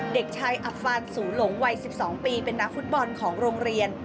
เด็กชายอับฟานสูหลงวัย๑๒ปีเป็นนักฟุตบอลของโรงเรียน